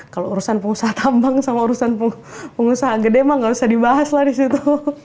kalo urusan pengusaha tambang sama urusan pengusaha gede mah gak usah dibahas lah disitu